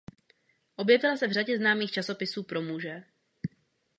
Objevila se v řadě známých časopisů pro muže.